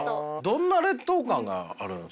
どんな劣等感があるんですか？